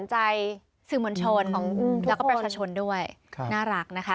แล้วก็ประชาชนด้วยง่ายนะคะ